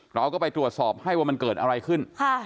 เราก็ไปตรวจสอบให้ว่ามันเกิดอะไรขึ้น